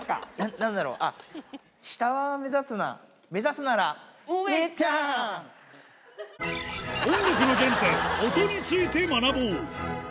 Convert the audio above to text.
なんだろう、下を目指すな、目指すなら、音楽の原点、音について学ぼう。